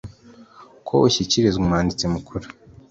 ko ushyikirizwa umwanditsi mukuru